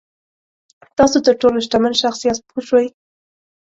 تاسو تر ټولو شتمن شخص یاست پوه شوې!.